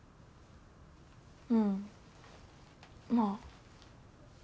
うんまあ